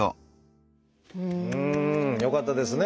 うん！よかったですね。